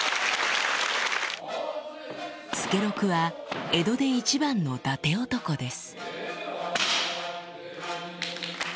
助六は江戸で一番のだて男です